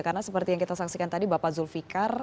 karena seperti yang kita saksikan tadi bapak zulfiqar